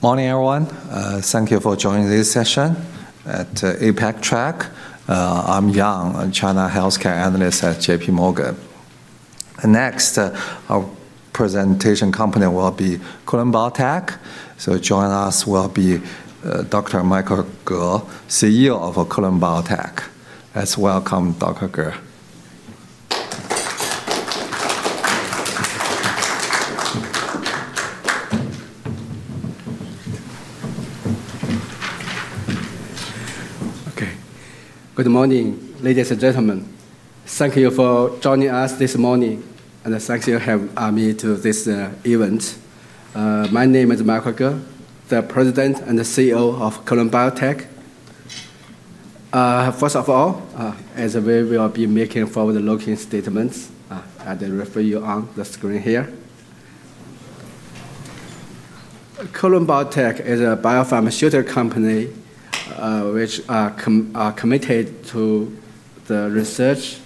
Morning, everyone. Thank you for joining this session at APAC Track. I'm Yang, a China healthcare analyst at JPMorgan. Next, our presentation company will be Kelun-Biotech. So joining us will be Dr. Michael Ge, CEO of Kelun-Biotech. Let's welcome Dr. Ge. Okay. Good morning, ladies and gentlemen. Thank you for joining us this morning, and thank you for having me to this event. My name is Michael Ge, the President and the CEO of Kelun-Biotech. First of all, as we will be making forward-looking statements, I'll refer you on the screen here. Kelun-Biotech is a biopharmaceutical company which is committed to the research,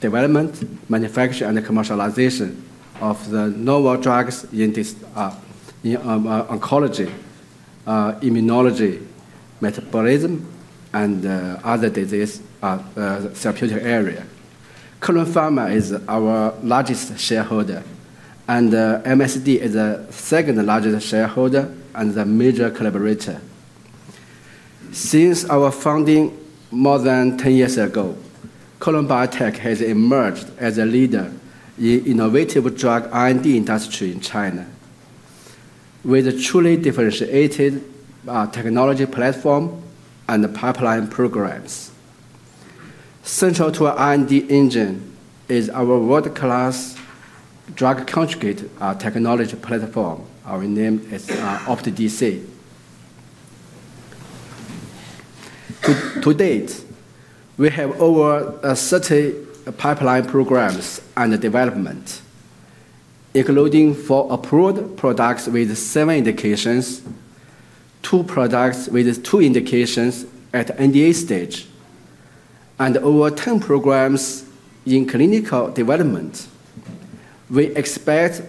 development, manufacturing, and commercialization of the novel drugs in oncology, immunology, metabolism, and other disease therapeutic areas. Kelun Pharmaceutical is our largest shareholder, and MSD is the second largest shareholder and the major collaborator. Since our founding more than 10 years ago, Kelun-Biotech has emerged as a leader in the innovative drug R&D industry in China with a truly differentiated technology platform and pipeline programs. Central to our R&D engine is our world-class drug-conjugate technology platform, renamed as OptiDC. To date, we have over 30 pipeline programs and developments, including four approved products with seven indications, two products with two indications at the NDA stage, and over 10 programs in clinical development. We expect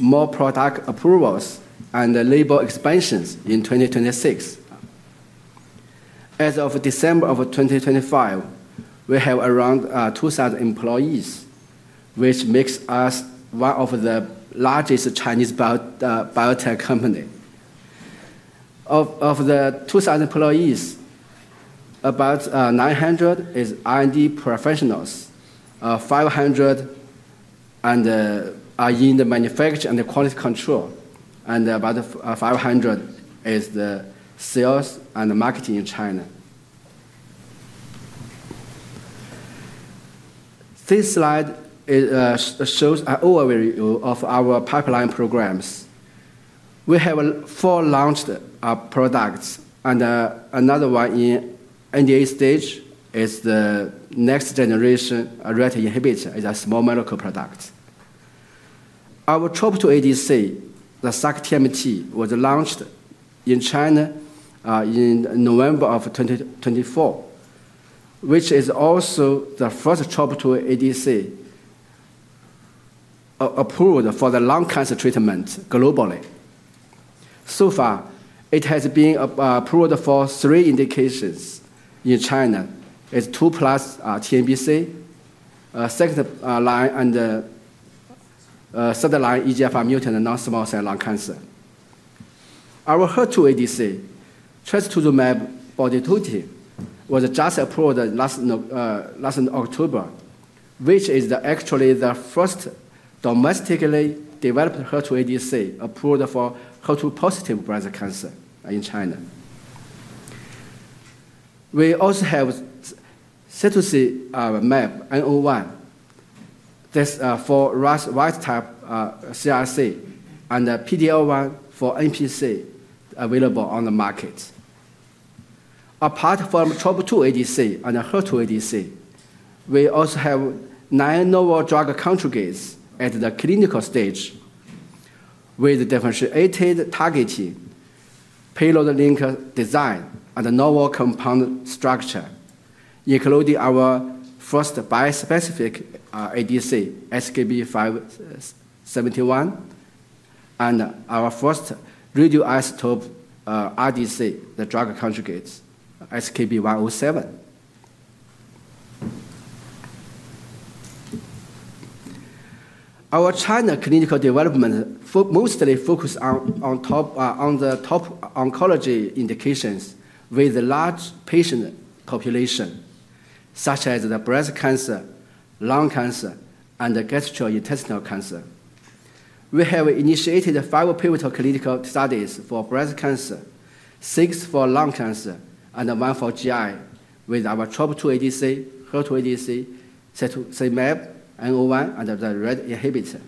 more product approvals and label expansions in 2026. As of December of 2025, we have around 2,000 employees, which makes us one of the largest Chinese biotech companies. Of the 2,000 employees, about 900 are R&D professionals, 500 are in the manufacturing and quality control, and about 500 are in the sales and marketing in China. This slide shows an overview of our pipeline programs. We have four launched products, and another one in the NDA stage is the next-generation RET inhibitor as a small molecule product. Our TROP2 ADC, the sac-TMT, was launched in China in November of 2024, which is also the first TROP2 ADC approved for the lung cancer treatment globally. So far, it has been approved for three indications in China: 2L+ TNBC, second-line, and third line EGFR-mutant in non-small cell lung cancer. Our HER2-ADC, trastuzumab botidotin, was just approved last October, which is actually the first domestically developed HER2-ADC approved for HER2-positive breast cancer in China. We also have Cetuximab N01, this for RAS wild-type CRC, and PD-L1 for NPC available on the market. Apart from TROP2 ADC and HER2-ADC, we also have nine novel drug conjugates at the clinical stage with differentiated targeting, payload-linked design, and a novel compound structure, including our first bispecific ADC, SKB571, and our first radionuclide RDC, the drug conjugate, SKB107. Our China clinical development mostly focuses on the top oncology indications with a large patient population, such as breast cancer, lung cancer, and gastrointestinal cancer. We have initiated five pivotal clinical studies for breast cancer, six for lung cancer, and one for GI with our TROP2 ADC, HER2-ADC, Cetuximab N01, and the RET inhibitor.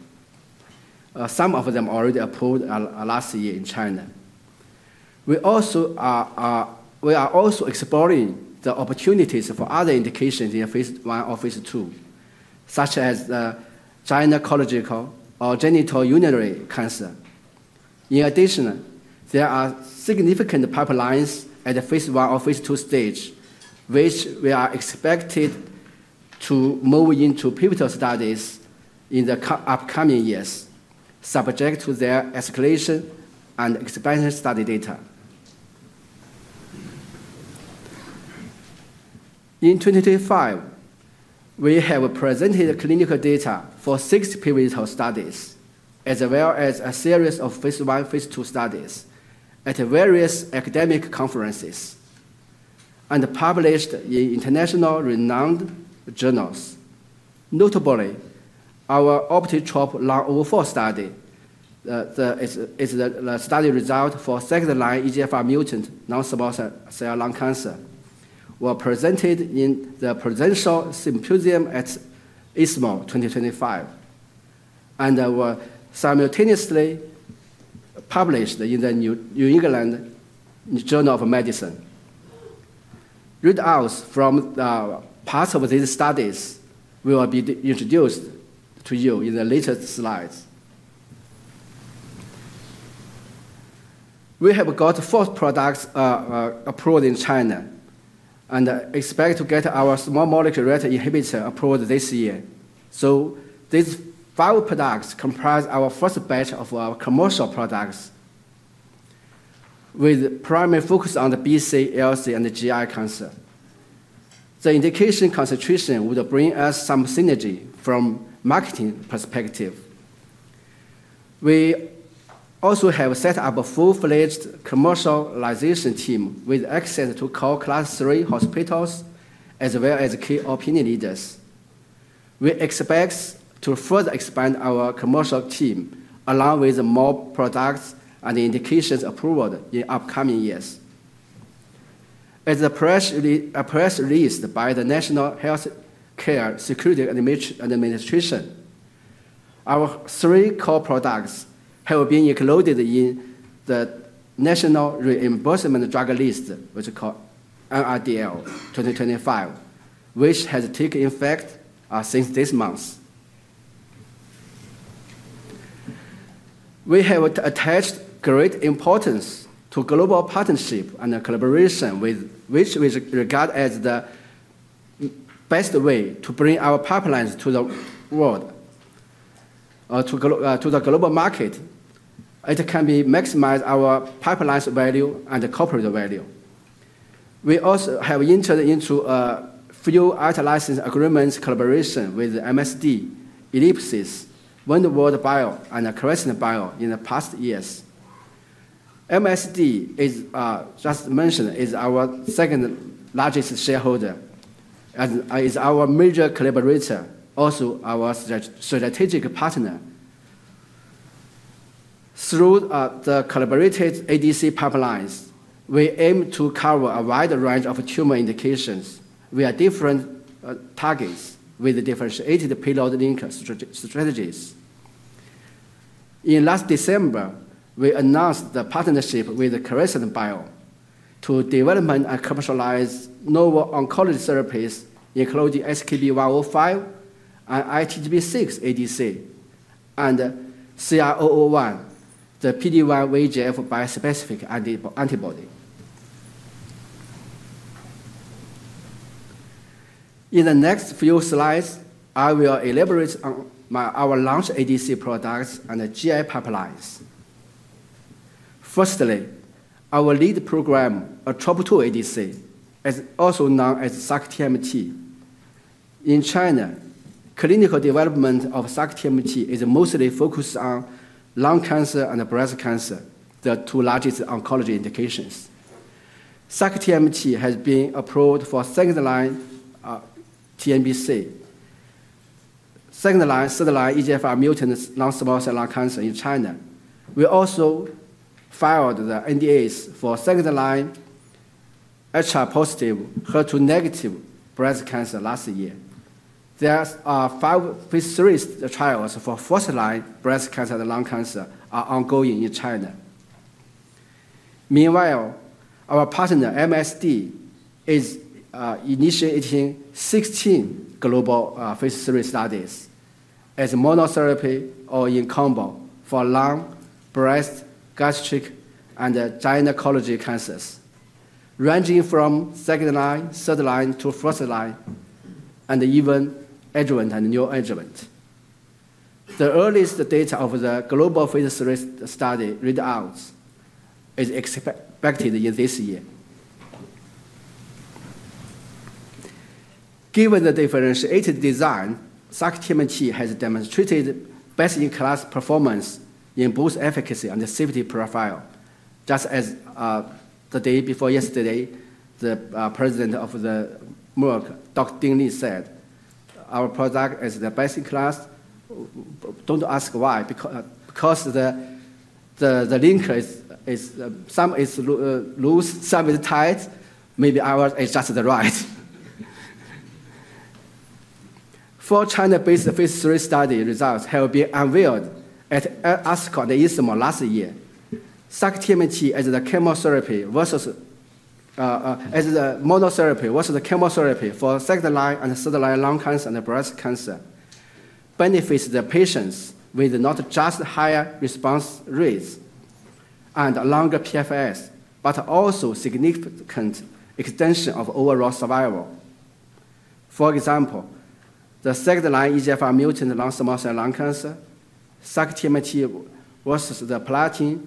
Some of them were already approved last year in China. We are also exploring the opportunities for other indications in phase I or phase II, such as gynecological or genitourinary cancer. In addition, there are significant pipelines at the phase I or phase II stage, which we are expected to move into pivotal studies in the upcoming years, subject to their escalation and expansion study data. In 2025, we have presented clinical data for six pivotal studies, as well as a series of phase I and phase II studies at various academic conferences and published in international renowned journals. Notably, our OPTITROP-Lung04 study is the study result for second-line EGFR mutant non-small cell lung cancer. We presented it in the Presidential Symposium at ESMO 2025 and were simultaneously published in the New England Journal of Medicine. Read-outs from parts of these studies will be introduced to you in the later slides. We have got four products approved in China and expect to get our small molecule RET inhibitor approved this year. So these five products comprise our first batch of our commercial products with primary focus on the BC, LC, and GI cancer. The indication concentration will bring us some synergy from a marketing perspective. We also have set up a full-fledged commercialization team with access to all Class III hospitals as well as key opinion leaders. We expect to further expand our commercial team along with more products and indications approved in upcoming years. Per the press release by the National Healthcare Security Administration, our three core products have been included in the national reimbursement drug list, which is called NRDL 2025, which has taken effect since this month. We have attached great importance to global partnership and collaboration, which we regard as the best way to bring our pipelines to the world, to the global market. It can maximize our pipeline's value and corporate value. We also have entered into a few out-license agreements and collaborations with MSD, Ellipses, Windward Bio, and Crescent Bio in the past years. MSD, as just mentioned, is our second largest shareholder and is our major collaborator, also our strategic partner. Through the collaborated ADC pipelines, we aim to cover a wide range of tumor indications via different targets with differentiated payload linkage strategies. In last December, we announced the partnership with Crescent Bio to develop and commercialize novel oncology therapies, including SKB105, an ITGB6 ADC, and CR001, the PD-1/VEGF bispecific antibody. In the next few slides, I will elaborate on our launch ADC products and GI pipelines. Firstly, our lead program, a TROP2 ADC, is also known as sac-TMT. In China, clinical development of sac-TMT is mostly focused on lung cancer and breast cancer, the two largest oncology indications. sac-TMT has been approved for second-line TNBC, second-line and third-line EGFR mutant non-small cell lung cancer in China. We also filed the NDAs for second-line HR-positive, HER2-negative breast cancer last year. There are five phase III trials for first-line breast cancer and lung cancer ongoing in China. Meanwhile, our partner, MSD, is initiating 16 global phase III studies as monotherapy or in combo for lung, breast, gastric, and gynecology cancers, ranging from second-line, third-line, to first-line, and even adjuvant and neoadjuvant. The earliest data of the global phase III study readouts is expected this year. Given the differentiated design, sac-TMT has demonstrated best-in-class performance in both efficacy and safety profile. Just as the day before yesterday, the President of Merck, Dr. Dean Li, said, "Our product is the best in class." Don't ask why, because the linkage is some is loose, some is tight. Maybe ours is just right. Four China-based phase III study results have been unveiled at ASCO-ESMO last year. Sac-TMT as the chemotherapy versus as the monotherapy versus the chemotherapy for second-line and third line lung cancer and breast cancer benefits the patients with not just higher response rates and longer PFS, but also significant extension of overall survival. For example, the second-line EGFR mutant non-small cell lung cancer, sac-TMT versus the platinum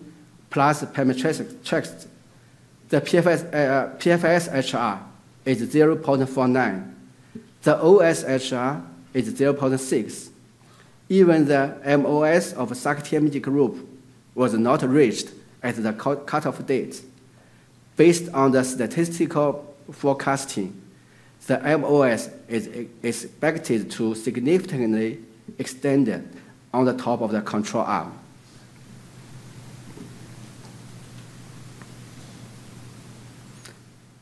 plus pemetrexed, the PFS HR is 0.49x. The OS HR is 0.6x. Even the MOS of sac-TMT group was not reached at the cut-off date. Based on the statistical forecasting, the MOS is expected to significantly extend on the top of the control arm.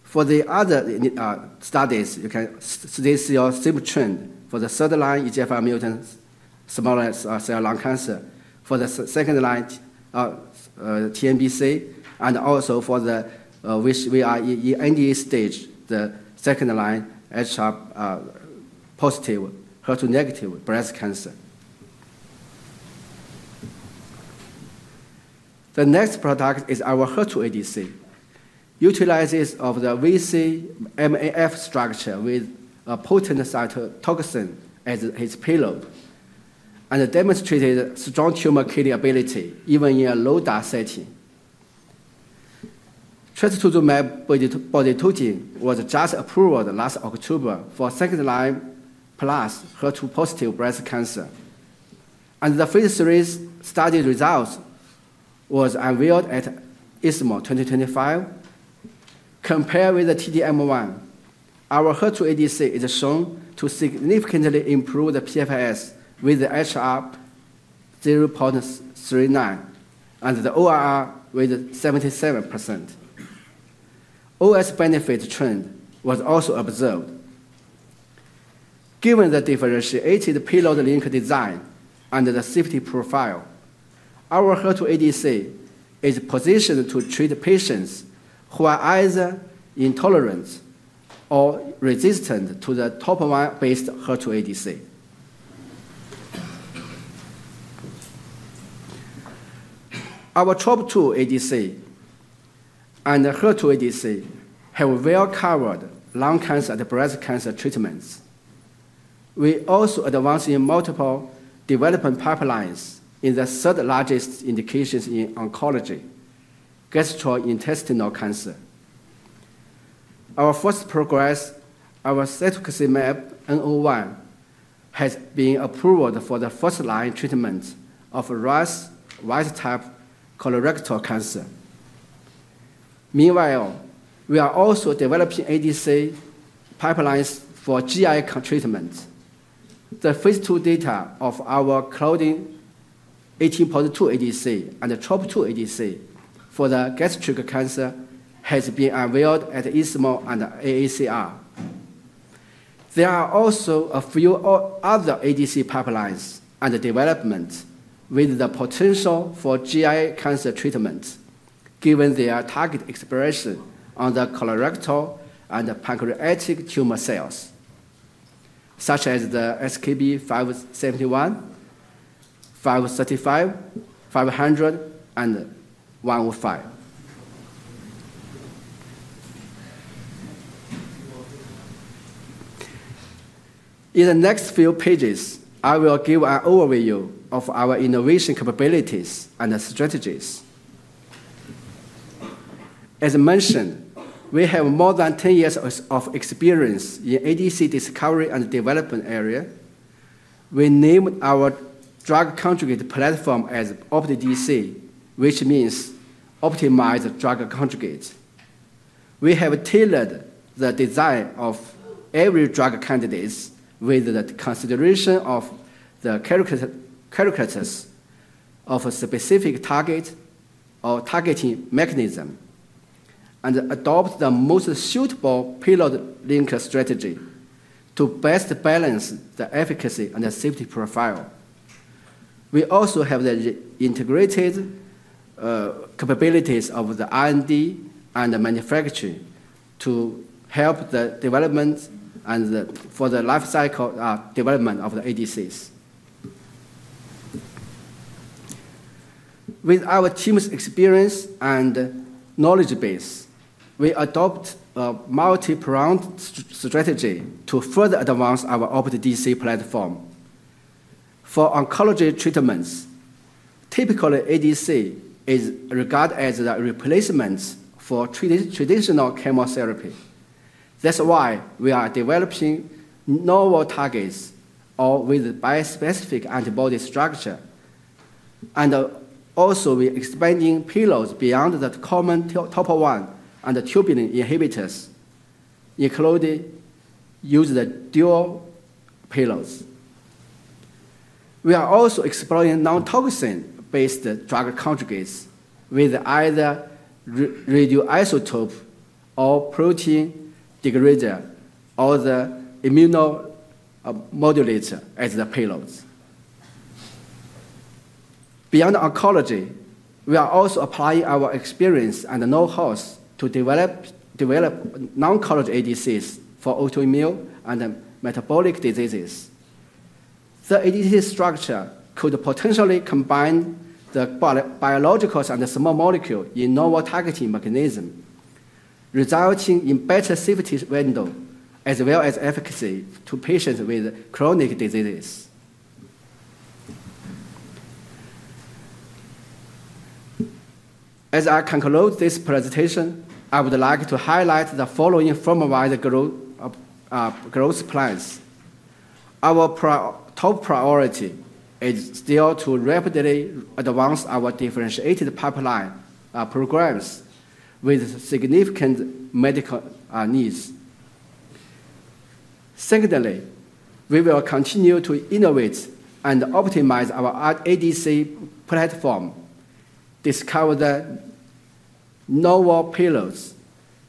For the other studies, you can see a steep trend for the third line EGFR mutant small cell lung cancer, for the second-line TNBC, and also for the NDA stage, the second-line HR-positive, HER2-negative breast cancer. The next product is our HER2-ADC, utilizes the vc-MMAF structure with a potent cytotoxin as its payload and demonstrated strong tumor killing ability even in a low DAR setting. Trastuzumab botidotin was just approved last October for second-line+ HER2-positive breast cancer. The phase III study results were unveiled at ESMO 2025. Compared with the T-DM1, our HER2-ADC is shown to significantly improve the PFS with the HR 0.39x and the ORR with 77%. OS benefit trend was also observed. Given the differentiated payload-linker design and the safety profile, our HER2-ADC is positioned to treat patients who are either intolerant or resistant to the T-DM1-based HER2-ADC. Our TROP2 ADC and HER2-ADC have well covered lung cancer and breast cancer treatments. We also advance in multiple development pipelines in the third largest indications in oncology, gastrointestinal cancer. Our first progress, our Cetuximab N01, has been approved for the first-line treatment of RAS wild-type colorectal cancer. Meanwhile, we are also developing ADC pipelines for GI treatment. The phase II data of our Claudin 18.2 ADC and TROP2 ADC for the gastric cancer has been unveiled at ESMO and AACR. There are also a few other ADC pipelines and developments with the potential for GI cancer treatment, given their target expression on the colorectal and pancreatic tumor cells, such as the SKB571, SKB535, SKB500, and SKB105. In the next few pages, I will give an overview of our innovation capabilities and strategies. As mentioned, we have more than 10 years of experience in ADC discovery and development area. We named our drug conjugate platform as OptiDC, which means optimized drug conjugate. We have tailored the design of every drug candidate with the consideration of the characteristics of a specific target or targeting mechanism and adopt the most suitable payload link strategy to best balance the efficacy and the safety profile. We also have the integrated capabilities of the R&D and manufacturing to help the development and for the life cycle development of the ADCs. With our team's experience and knowledge base, we adopt a multi-pronged strategy to further advance our OptiDC platform. For oncology treatments, typically ADC is regarded as a replacement for traditional chemotherapy. That's why we are developing novel targets or with bispecific antibody structure. And also, we are expanding payloads beyond the common topoisomerase I and tubulin inhibitors, including using the dual payloads. We are also exploring non-toxin-based drug conjugates with either radioisotope or protein degrader, or the immunomodulator as the payloads. Beyond oncology, we are also applying our experience and know-how to develop non-oncology ADCs for autoimmune and metabolic diseases. The ADC structure could potentially combine the biologicals and small molecules in novel targeting mechanism, resulting in better safety window as well as efficacy to patients with chronic diseases. As I conclude this presentation, I would like to highlight the following formalized growth plans. Our top priority is still to rapidly advance our differentiated pipeline programs with significant medical needs. Secondly, we will continue to innovate and optimize our ADC platform, discover the novel payloads,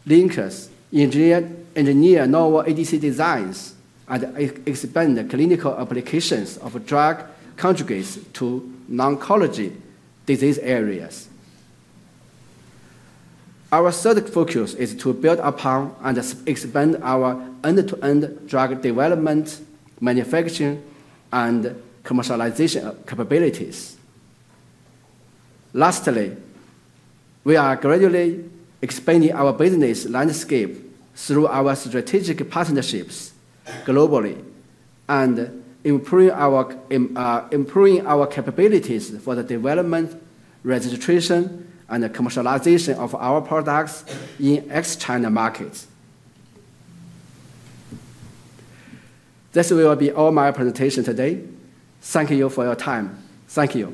linkers, engineer novel ADC designs, and expand the clinical applications of drug conjugates to non-oncology disease areas. Our third focus is to build upon and expand our end-to-end drug development, manufacturing, and commercialization capabilities. Lastly, we are gradually expanding our business landscape through our strategic partnerships globally and improving our capabilities for the development, registration, and commercialization of our products in ex-China markets. This will be all my presentation today. Thank you for your time. Thank you.